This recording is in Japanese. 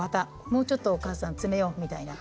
もうちょっとお母さん詰めようみたいな。